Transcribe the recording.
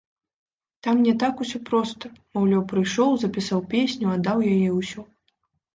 Там не так усё проста, маўляў, прыйшоў, запісаў песню, аддаў яе і ўсё.